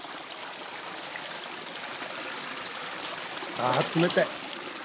ああ冷たい。